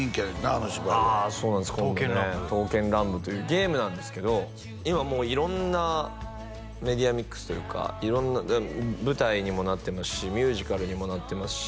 あの芝居はああそうなんです今度ね「刀剣乱舞」というゲームなんですけど今もう色んなメディアミックスというか色んな舞台にもなってますしミュージカルにもなってますし